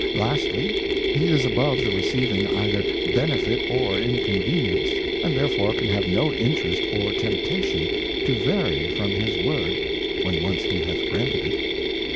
Lastly, he is above the receiving either Benefit or Inconvenience, and therefore can have no Interest or Temptation to vary from his Word, when once he hath granted it.